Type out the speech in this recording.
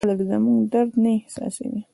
خلک زموږ درد نه احساسوي.